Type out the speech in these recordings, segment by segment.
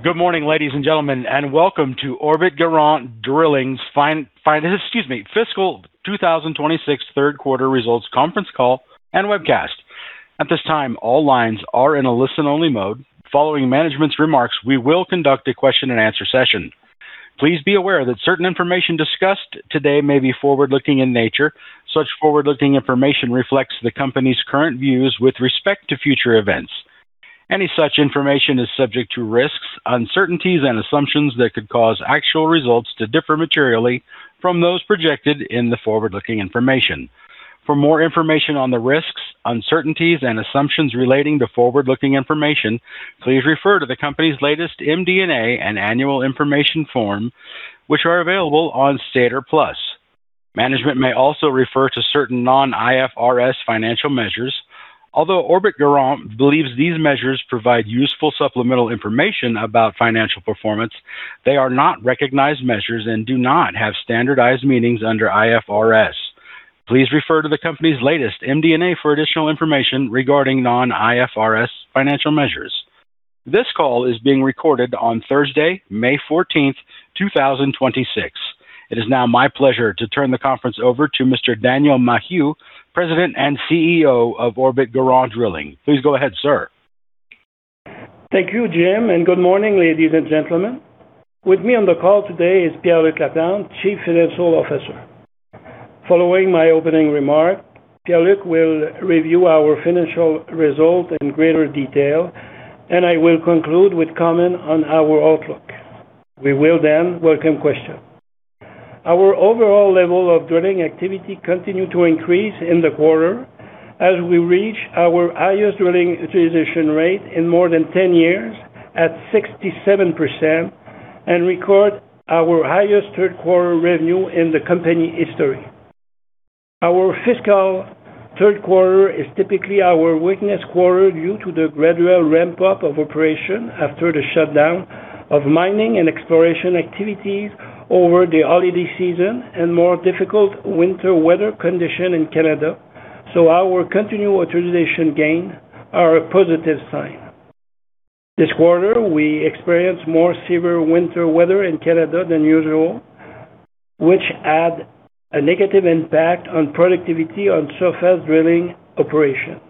Good morning, ladies and gentlemen, and welcome to Orbit Garant Drilling's Fiscal 2026 Third Quarter Results Conference Call and Webcast. At this time, all lines are in a listen-only mode. Following management's remarks, we will conduct a question-and-answer session. Please be aware that certain information discussed today may be forward-looking in nature. Such forward-looking information reflects the company's current views with respect to future events. Any such information is subject to risks, uncertainties, and assumptions that could cause actual results to differ materially from those projected in the forward-looking information. For more information on the risks, uncertainties, and assumptions relating to forward-looking information, please refer to the company's latest MD&A and Annual Information Form, which are available on SEDAR+. Management may also refer to certain non-IFRS financial measures. Although Orbit Garant believes these measures provide useful supplemental information about financial performance, they are not recognized measures and do not have standardized meanings under IFRS. Please refer to the company's latest MD&A for additional information regarding non-IFRS financial measures. This call is being recorded on Thursday, May 14th, 2026. It is now my pleasure to turn the conference over to Mr. Daniel Maheu, President and CEO of Orbit Garant Drilling. Please go ahead, sir. Thank you, Jim. Good morning, ladies and gentlemen. With me on the call today is Pier-Luc Laplante, Chief Financial Officer. Following my opening remark, Pier-Luc will review our financial result in greater detail. I will conclude with comment on our outlook. We will then welcome question. Our overall level of drilling activity continued to increase in the quarter as we reach our highest drilling utilization rate in more than 10 years at 67% and record our highest third quarter revenue in the company history. Our fiscal third quarter is typically our weakest quarter due to the gradual ramp-up of operation after the shutdown of mining and exploration activities over the holiday season and more difficult winter weather condition in Canada. Our continued utilization gain are a positive sign. This quarter, we experienced more severe winter weather in Canada than usual, which had a negative impact on productivity on surface drilling operation.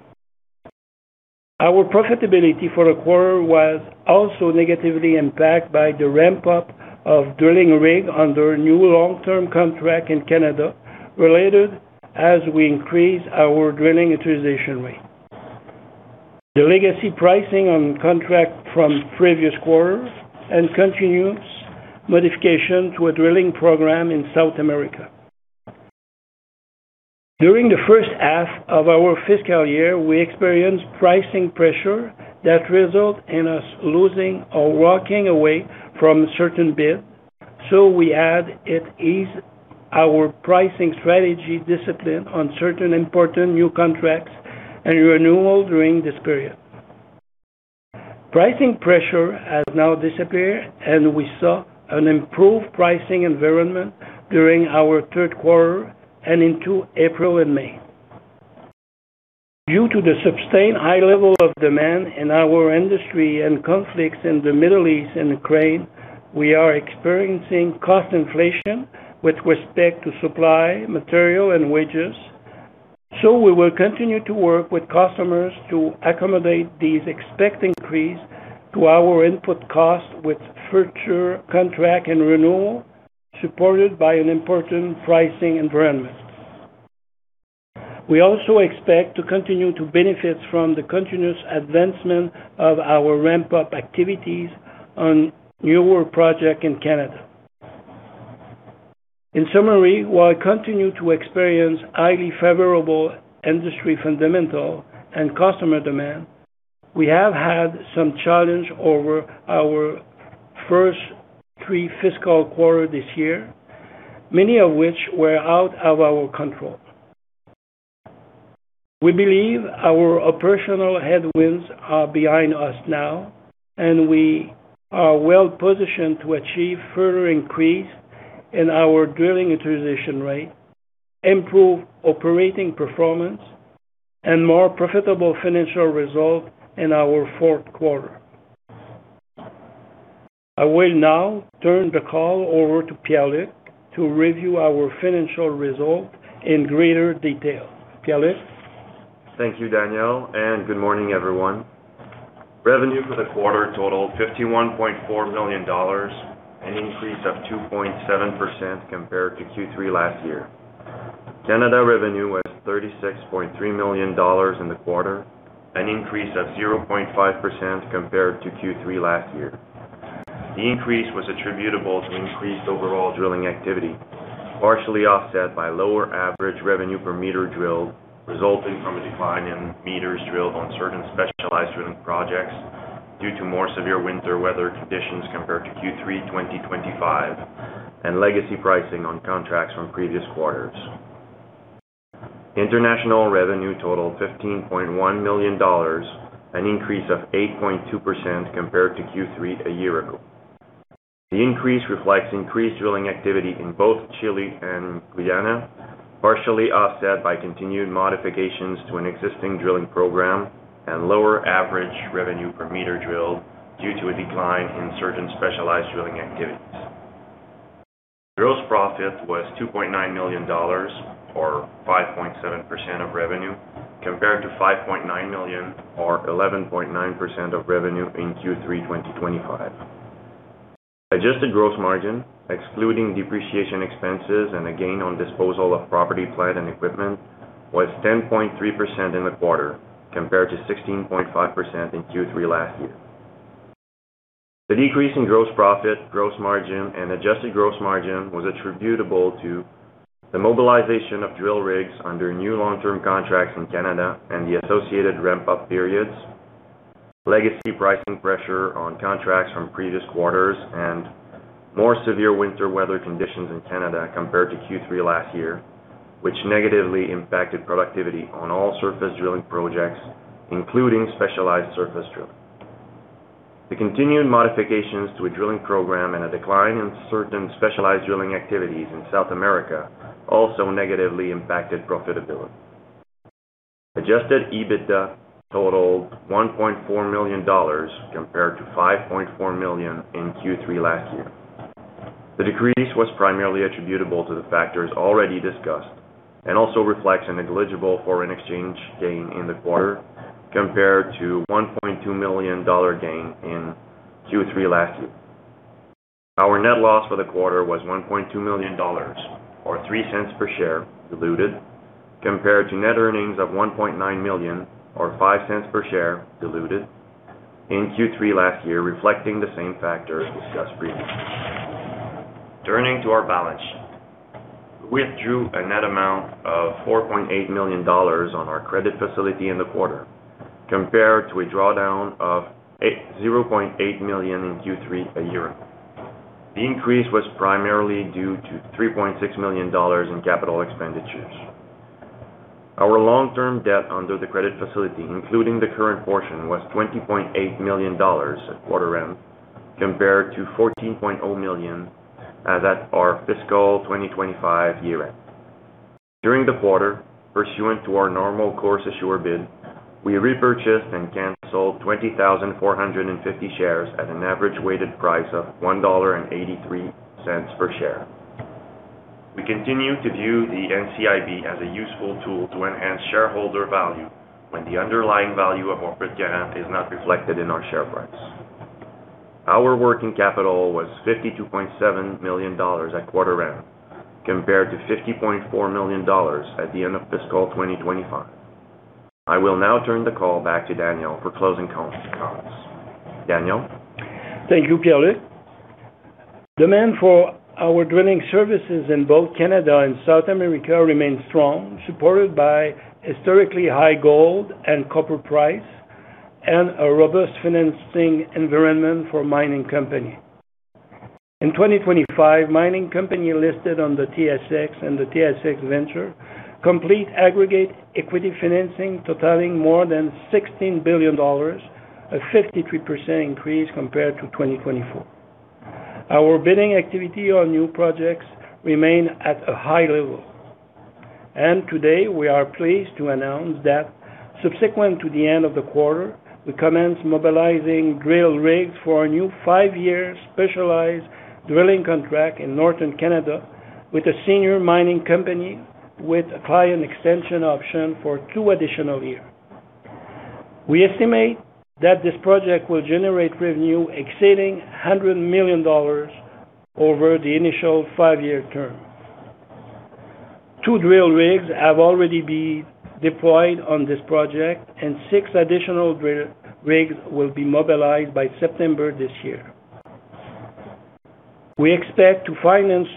Our profitability for the quarter was also negatively impacted by the ramp-up of drilling rig under new long-term contract in Canada, related as we increase our drilling utilization rate, the legacy pricing on contract from previous quarters, and continuous modification to a drilling program in South America. During the first half of our fiscal year, we experienced pricing pressure that result in us losing or walking away from certain bid. We had to ease our pricing strategy discipline on certain important new contracts and renewal during this period. Pricing pressure has now disappeared, and we saw an improved pricing environment during our third quarter and into April and May. Due to the sustained high level of demand in our industry and conflicts in the Middle East and Ukraine, we are experiencing cost inflation with respect to supply, material, and wages. We will continue to work with customers to accommodate these expected increase to our input cost with future contract and renewal, supported by an important pricing environment. We also expect to continue to benefit from the continuous advancement of our ramp-up activities on newer project in Canada. In summary, while we continue to experience highly favorable industry fundamental and customer demand, we have had some challenge over our first three fiscal quarter this year, many of which were out of our control. We believe our operational headwinds are behind us now, and we are well-positioned to achieve further increase in our drilling utilization rate, improve operating performance, and more profitable financial result in our fourth quarter. I will now turn the call over to Pier-Luc to review our financial result in greater detail. Pier-Luc? Thank you, Daniel, and good morning, everyone. Revenue for the quarter totaled 51.4 million dollars, an increase of 2.7% compared to Q3 last year. Canada revenue was 36.3 million dollars in the quarter, an increase of 0.5% compared to Q3 last year. The increase was attributable to increased overall drilling activity, partially offset by lower average revenue per meter drilled, resulting from a decline in meters drilled on certain specialized drilling projects due to more severe winter weather conditions compared to Q3 2025 and legacy pricing on contracts from previous quarters. International revenue totaled 15.1 million dollars, an increase of 8.2% compared to Q3 a year ago. The increase reflects increased drilling activity in both Chile and Guyana, partially offset by continued modifications to an existing drilling program and lower average revenue per meter drilled due to a decline in certain specialized drilling activities. Gross profit was 2.9 million dollars, or 5.7% of revenue, compared to 5.9 million, or 11.9% of revenue in Q3 2025. Adjusted gross margin, excluding depreciation expenses and a gain on disposal of property, plant, and equipment, was 10.3% in the quarter, compared to 16.5% in Q3 last year. The decrease in gross profit, gross margin, and adjusted gross margin was attributable to the mobilization of drill rigs under new long-term contracts in Canada and the associated ramp-up periods, legacy pricing pressure on contracts from previous quarters, and more severe winter weather conditions in Canada compared to Q3 last year, which negatively impacted productivity on all surface drilling projects, including specialized surface drilling. The continued modifications to a drilling program and a decline in certain specialized drilling activities in South America also negatively impacted profitability. Adjusted EBITDA totaled 1.4 million dollars compared to 5.4 million in Q3 last year. The decrease was primarily attributable to the factors already discussed and also reflects a negligible foreign exchange gain in the quarter compared to 1.2 million dollar gain in Q3 last year. Our net loss for the quarter was 1.2 million dollars, or 0.03 per share diluted, compared to net earnings of 1.9 million, or 0.05 per share diluted in Q3 last year, reflecting the same factors discussed previously. Turning to our balance sheet. We withdrew a net amount of 4.8 million dollars on our credit facility in the quarter, compared to a drawdown of 0.8 million in Q3 a year ago. The increase was primarily due to 3.6 million dollars in capital expenditures. Our long-term debt under the credit facility, including the current portion, was 20.8 million dollars at quarter end, compared to 14.0 million at our fiscal 2025 year end. During the quarter, pursuant to our normal course issuer bid, we repurchased and canceled 20,450 shares at an average weighted price of 1.83 dollar per share. We continue to view the NCIB as a useful tool to enhance shareholder value when the underlying value of Orbit Garant is not reflected in our share price. Our working capital was 52.7 million dollars at quarter end, compared to 50.4 million dollars at the end of fiscal 2025. I will now turn the call back to Daniel for closing comments. Daniel? Thank you, Pier-Luc. Demand for our drilling services in both Canada and South America remains strong, supported by historically high gold and copper price and a robust financing environment for mining company. In 2025, mining company listed on the TSX and the TSX Venture complete aggregate equity financing totaling more than 16 billion dollars, a 53% increase compared to 2024. Our bidding activity on new projects remain at a high level. Today, we are pleased to announce that subsequent to the end of the quarter, we commenced mobilizing drill rigs for a new five-year specialized drilling contract in Northern Canada with a senior mining company with a client extension option for two additional year. We estimate that this project will generate revenue exceeding 100 million dollars over the initial five-year term. Two drill rigs have already been deployed on this project. Six additional rigs will be mobilized by September this year. We expect to finance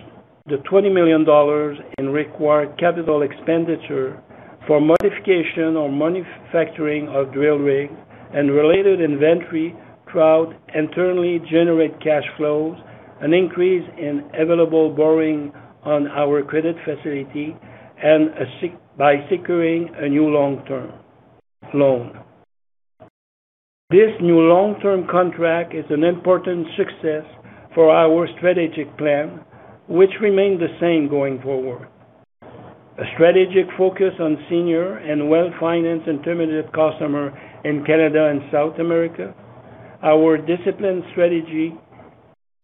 the 20 million dollars in required capital expenditure for modification or manufacturing of drill rigs and related inventory through internally generate cash flows, an increase in available borrowing on our credit facility and by securing a new long-term loan. This new long-term contract is an important success for our strategic plan, which remain the same going forward. A strategic focus on senior and well-financed intermediate customer in Canada and South America, our disciplined strategy,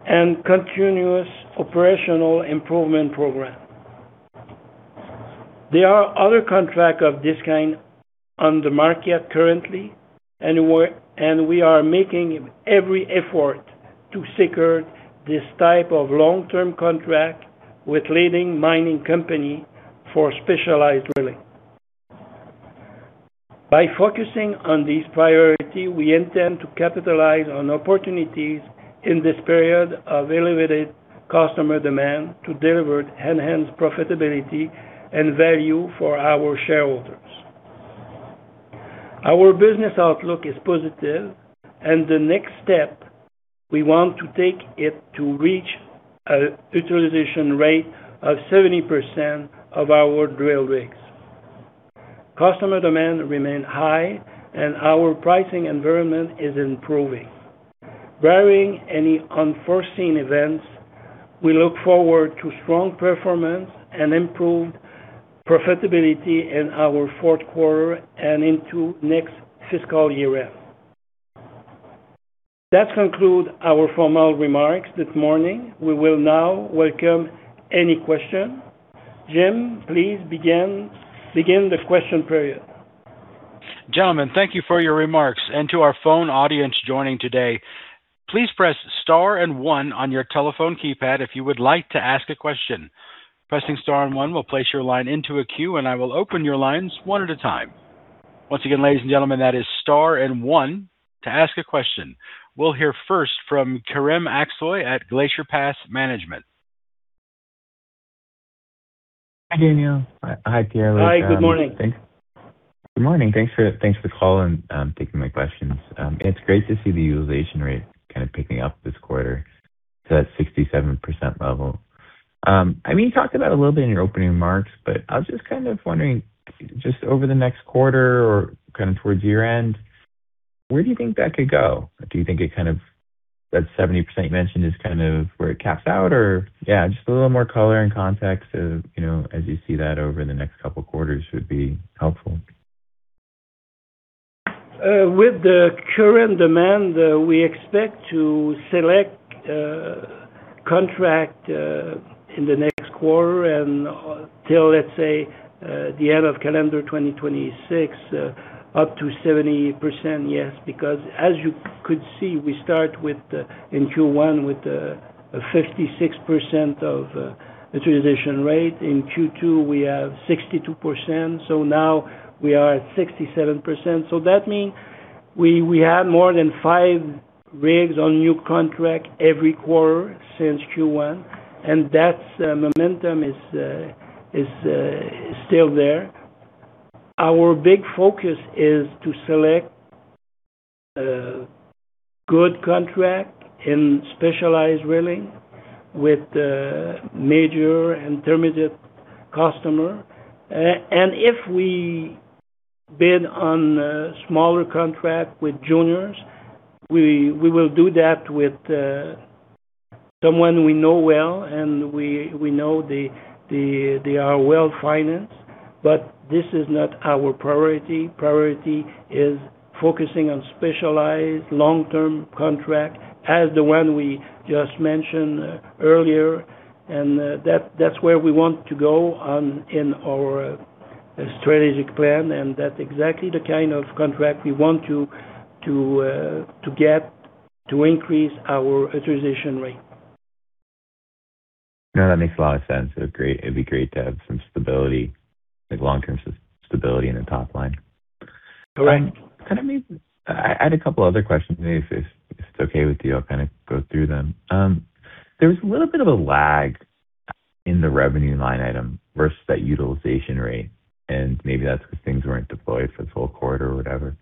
and continuous operational improvement program. There are other contract of this kind on the market currently, and we are making every effort to secure this type of long-term contract with leading mining company for specialized drilling. By focusing on these priorities, we intend to capitalize on opportunities in this period of elevated customer demand to deliver enhanced profitability and value for our shareholders. Our business outlook is positive. The next step we want to take to reach a utilization rate of 70% of our drill rigs. Customer demand remains high. Our pricing environment is improving. Barring any unforeseen events, we look forward to strong performance and improved profitability in our fourth quarter and into next fiscal year-end. That concludes our formal remarks this morning. We will now welcome any question. Jim, please begin the question period. Gentlemen, thank you for your remarks. To our phone audience joining today, please press star and one on your telephone keypad if you would like to ask a question. Pressing star and one will place your line into a queue, and I will open your lines one at a time. Once again, ladies and gentlemen, that is star and one to ask a question. We'll hear first from Kerem Aksoy at Glacier Pass Management. Hi, Daniel. Hi, Pier-Luc. Hi. Good morning. Good morning. Thanks for the call and taking my questions. It's great to see the utilization rate kind of picking up this quarter to that 67% level. I mean, you talked about it a little bit in your opening remarks, but I was just kind of wondering, just over the next quarter or kind of towards year-end, where do you think that could go? Do you think it kind of That 70% you mentioned is kind of where it caps out or? Yeah, just a little more color and context of, you know, as you see that over the next couple quarters would be helpful. With the current demand, we expect to select contract in the next quarter and till, let's say, the end of calendar 2026, up to 70%, yes. Because as you could see, we start with the, in Q1 with 56% of utilization rate. In Q2, we have 62%. Now we are at 67%. That mean we had more than five rigs on new contract every quarter since Q1, and that momentum is still there. Our big focus is to select good contract in specialized drilling with major and intermediate customer. And if we bid on a smaller contract with juniors, we will do that with someone we know well and we know they are well-financed. This is not our priority. Priority is focusing on specialized long-term contract as the one we just mentioned earlier, and that's where we want to go on in our strategic plan, and that's exactly the kind of contract we want to get to increase our utilization rate. No, that makes a lot of sense. It'd be great to have some stability, like long-term stability in the top line. Right. Can I maybe I had a couple other questions. Maybe if it's okay with you, I'll kind of go through them. There was a little bit of a lag in the revenue line item versus that utilization rate, and maybe that's because things weren't deployed for the full quarter or whatever.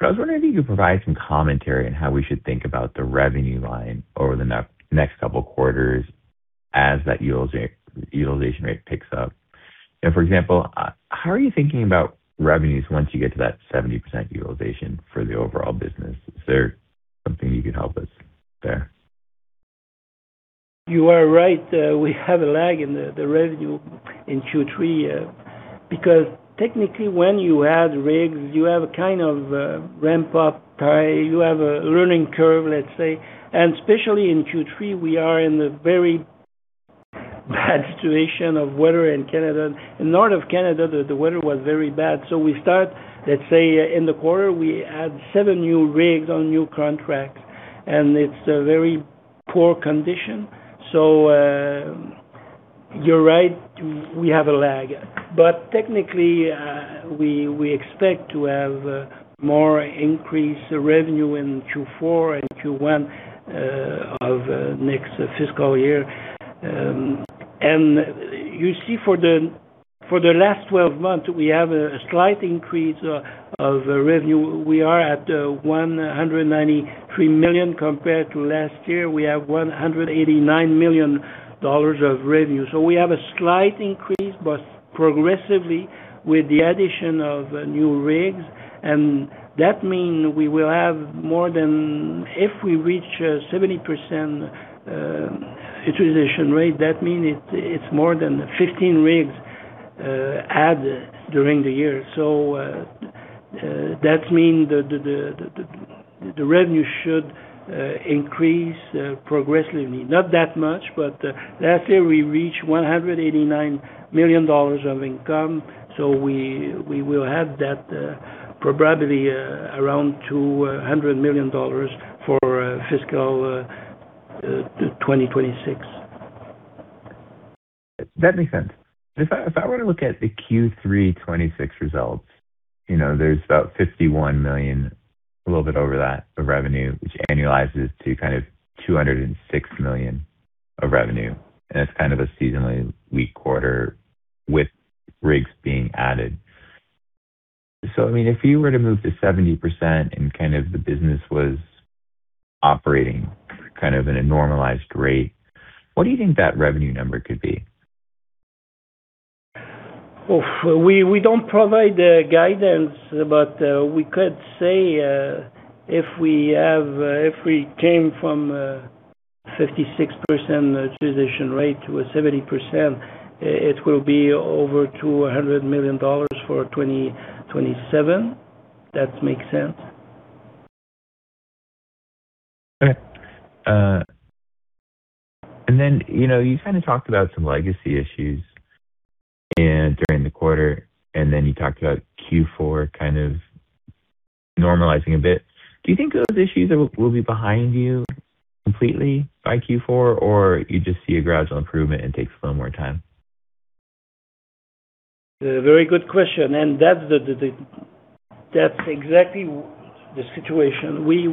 I was wondering if you could provide some commentary on how we should think about the revenue line over the next couple quarters as that utilization rate picks up. For example, how are you thinking about revenues once you get to that 70% utilization for the overall business? Is there something you can help us there? You are right. We have a lag in the revenue in Q3 because technically, when you add rigs, you have a kind of ramp-up time. You have a learning curve, let's say. Especially in Q3, we are in a very bad situation of weather in Canada. In north of Canada, the weather was very bad. We start, let's say, in the quarter, we add seven new rigs on new contract, and it's a very poor condition. You're right, we have a lag. Technically, we expect to have more increased revenue in Q4 and Q1 of next fiscal year. You see for the last 12 months, we have a slight increase of revenue. We are at 193 million compared to last year, we have 189 million dollars of revenue. We have a slight increase, but progressively with the addition of new rigs. That mean we will have more than If we reach a 70% utilization rate, that mean it's more than 15 rigs added during the year. That mean the revenue should increase progressively. Not that much, but last year we reached 189 million dollars of income, so we will have that probably around 200 million dollars for fiscal 2026. That makes sense. If I were to look at the Q3 2026 results, you know, there's about 51 million, a little bit over that, of revenue, which annualizes to kind of 206 million of revenue. It's kind of a seasonally weak quarter with rigs being added. I mean, if you were to move to 70% and kind of the business was operating kind of in a normalized rate. What do you think that revenue number could be? We don't provide guidance, we could say if we came from 56% utilization rate to a 70%, it will be over 200 million dollars for 2027. That makes sense. Okay. you know, you kind of talked about some legacy issues, during the quarter, and then you talked about Q4 kind of normalizing a bit. Do you think those issues will be behind you completely by Q4, or you just see a gradual improvement and takes a little more time? A very good question, that's the situation. We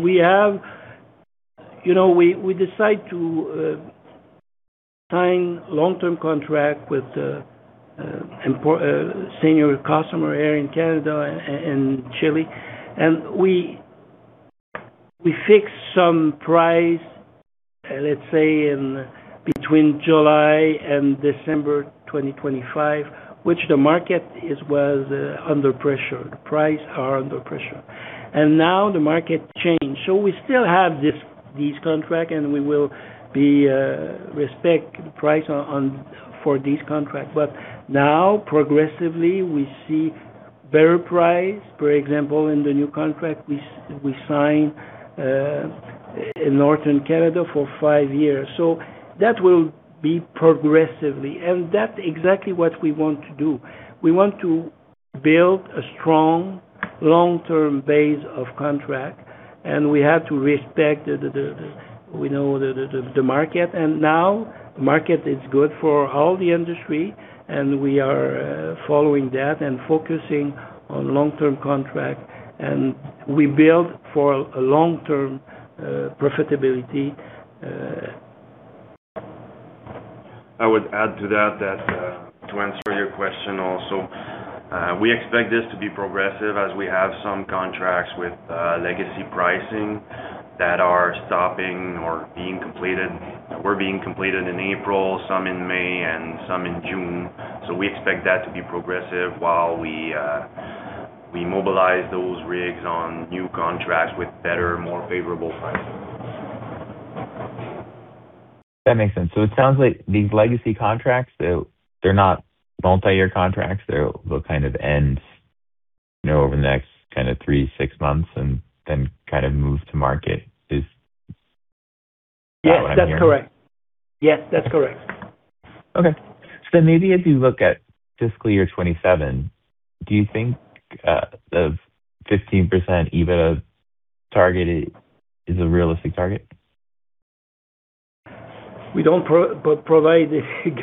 have You know, we decide to sign long-term contract with senior customer here in Canada and Chile, we fix some price, let's say in between July and December 2025, which the market was under pressure. The price are under pressure. Now the market changed. We still have these contract, we will be respect price for these contract. Now, progressively, we see better price. For example, in the new contract we sign in Northern Canada for five years. That will be progressively, that's exactly what we want to do. We want to build a strong, long-term base of contract, and we have to respect You know, the market. Now market is good for all the industry, and we are following that and focusing on long-term contract. We build for a long-term profitability. I would add to that, to answer your question also, we expect this to be progressive as we have some contracts with, legacy pricing that are stopping or being completed. They were being completed in April, some in May, and some in June. We expect that to be progressive while we mobilize those rigs on new contracts with better, more favorable pricing. That makes sense. It sounds like these legacy contracts, they're not multi-year contracts. They'll kind of end, you know, over the next kind of three, six months and then kind of move to market. Is that what I'm hearing? Yes, that's correct. Okay. Maybe as you look at fiscal year 2027, do you think the 15% EBITDA target is a realistic target? We don't provide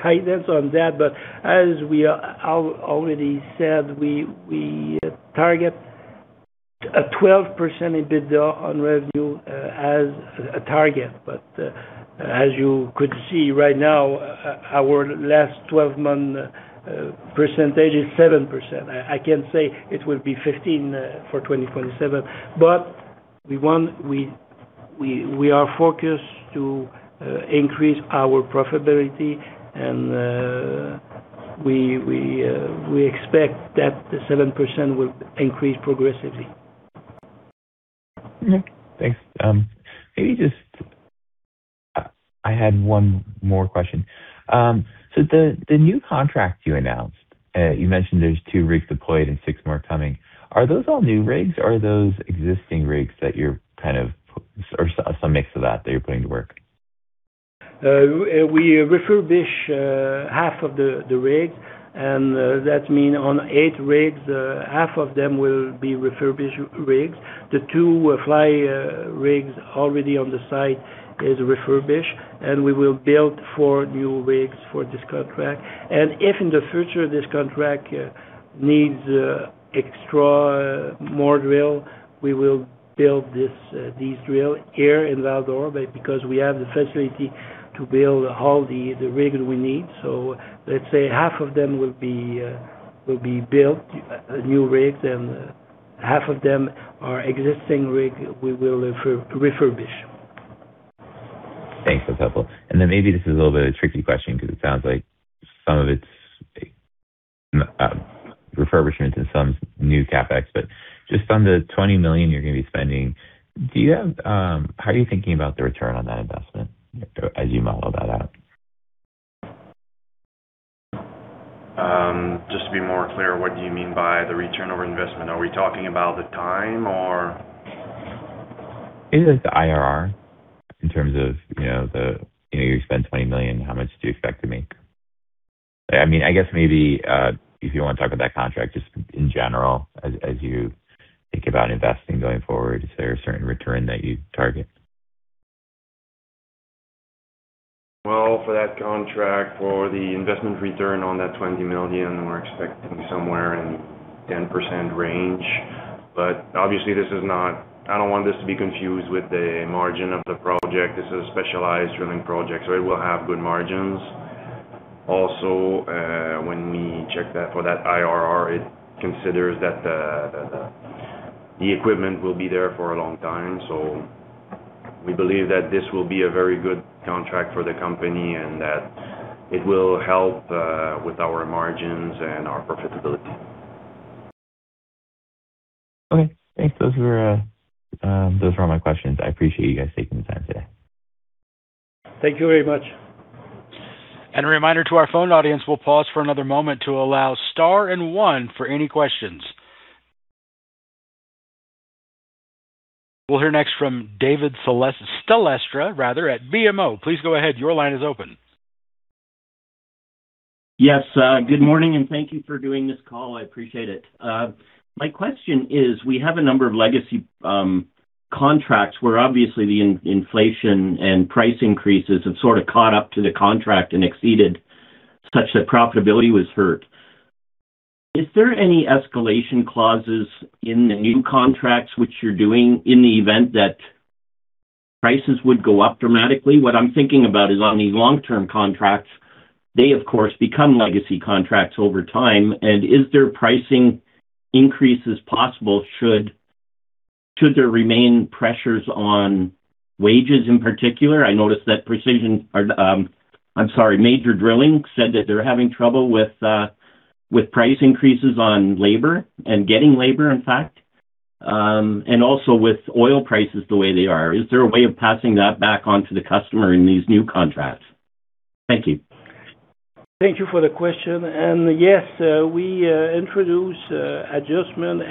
guidance on that, as we already said, we target a 12% EBITDA on revenue as a target. As you could see right now, our last 12-month percentage is 7%. I can't say it will be 15% for 2027. We are focused to increase our profitability and we expect that the 7% will increase progressively. Okay, thanks. maybe just I had one more question. The, the new contract you announced, you mentioned there's two rigs deployed and six more coming. Are those all new rigs, or are those existing rigs that you're kind of some mix of that you're putting to work? We refurbish half of the rigs, that mean on eight rigs, half of them will be refurbished rigs. The two fly rigs already on the site is refurbished, we will build four new rigs for this contract. If in the future this contract needs extra more drill, we will build this these drill here in Val-d'Or because we have the facility to build all the rig we need. Let's say half of them will be built new rigs and half of them are existing rig we will refurbish. Thanks. That's helpful. Maybe this is a little bit of a tricky question because it sounds like some of it's refurbishment and some new CapEx. Just on the 20 million you're gonna be spending, how are you thinking about the return on that investment as you model that out? Just to be more clear, what do you mean by the return on investment? Are we talking about the time or? Maybe just the IRR in terms of, you know, the, you know, you spend 20 million, how much do you expect to make? I mean, I guess maybe, if you want to talk about that contract just in general as you think about investing going forward, is there a certain return that you target? For that contract, for the investment return on that 20 million, we're expecting somewhere in 10% range. Obviously, I don't want this to be confused with the margin of the project. This is a specialized drilling project, so it will have good margins. Also, when we check that for that IRR, it considers that the equipment will be there for a long time. We believe that this will be a very good contract for the company, and that it will help with our margins and our profitability. Okay, thanks. Those were all my questions. I appreciate you guys taking the time today. Thank you very much. A reminder to our phone audience, we'll pause for another moment to allow star and one for any questions. We'll hear next from David Stelpstra rather, at BMO. Please go ahead. Your line is open. Yes, good morning, Thank you for doing this call. I appreciate it. My question is, we have a number of legacy contracts where obviously the inflation and price increases have sort of caught up to the contract and exceeded such that profitability was hurt. Is there any escalation clauses in the new contracts which you're doing in the event that prices would go up dramatically? What I'm thinking about is on these long-term contracts, they of course become legacy contracts over time. Is there pricing increases possible should there remain pressures on wages in particular? I noticed that precision or, I'm sorry, Major Drilling said that they're having trouble with price increases on labor and getting labor, in fact. Also with oil prices the way they are. Is there a way of passing that back on to the customer in these new contracts? Thank you. Thank you for the question. Yes, we introduce adjustment,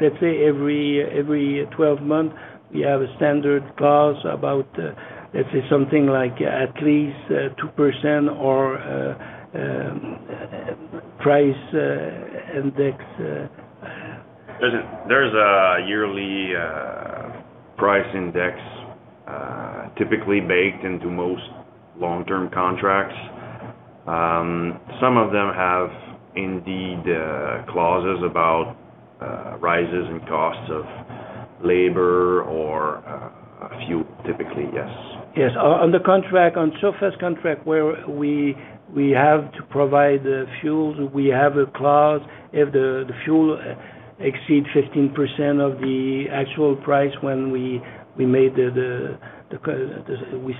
let's say every 12 month. We have a standard clause about, let's say something like at least 2% or price index. There's a yearly price index, typically baked into most long-term contracts. Some of them have indeed clauses about rises in costs of labor or fuel, typically, yes. Yes. On the contract, on surface contract where we have to provide the fuels, we have a clause. If the fuel exceed 15% of the actual price when we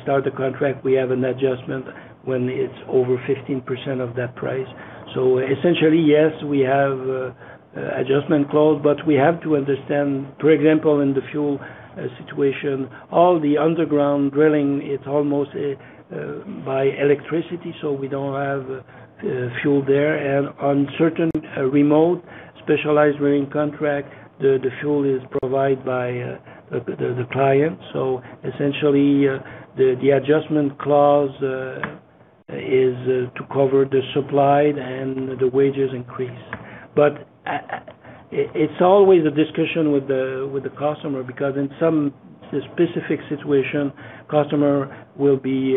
start the contract, we have an adjustment when it's over 15% of that price. Essentially, yes, we have adjustment clause, but we have to understand, for example, in the fuel situation, all the underground drilling, it's almost by electricity, we don't have fuel there. On certain remote specialized drilling contract, the fuel is provided by the client. Essentially, the adjustment clause is to cover the supply and the wages increase. It's always a discussion with the customer, because in some specific situation, customer will be,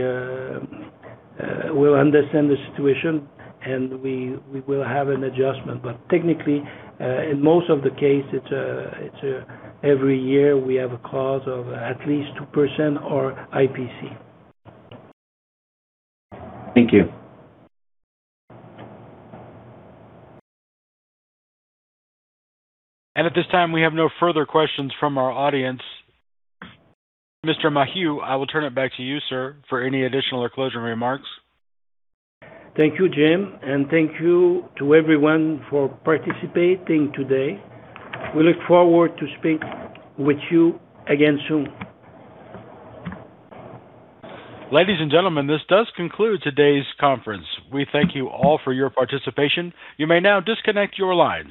will understand the situation and we will have an adjustment. Technically, in most of the case, it's every year we have a clause of at least 2% or CPI. Thank you. At this time, we have no further questions from our audience. Mr. Maheu, I will turn it back to you, sir, for any additional or closing remarks. Thank you, Jim. Thank you to everyone for participating today. We look forward to speak with you again soon. Ladies and gentlemen, this does conclude today's conference. We thank you all for your participation. You may now disconnect your lines.